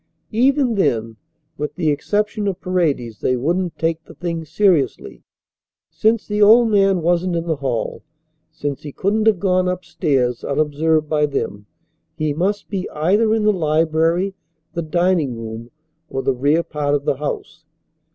Even then, with the exception of Paredes, they wouldn't take the thing seriously. Since the old man wasn't in the hall; since he couldn't have gone upstairs, unobserved by them, he must be either in the library, the dining room, or the rear part of the house.